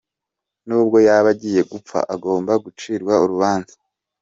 Nubwo yaba agiye gupfa, agomba gucirwa urubanza.